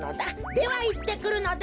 ではいってくるのだ。